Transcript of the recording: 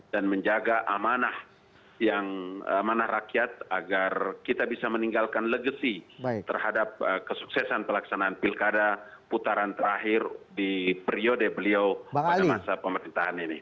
dan menjaga amanah rakyat agar kita bisa meninggalkan legasi terhadap kesuksesan pelaksanaan pilkada putaran terakhir di periode beliau pada masa pemerintahan ini